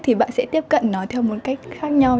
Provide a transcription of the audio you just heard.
thì bạn sẽ tiếp cận nó theo một cách khác nhau